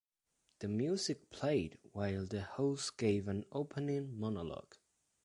The music played while the host gave an opening monologue.